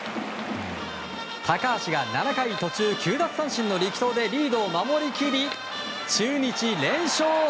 高橋が７回途中９奪三振の力投でリードを守りきり、中日連勝。